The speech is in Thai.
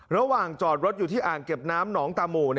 ระหว่างจอดรถอยู่ที่อ่างเก็บน้ำหนองตามู